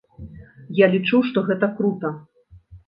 Я лічу, што гэта крута!